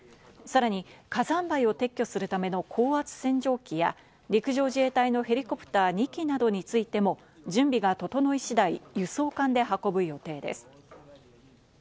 さらに火山灰を撤去するための高圧洗浄機や陸上自衛隊のヘリコプター２機などについても準備が整い次第、輸送艦で運ぶ予定です。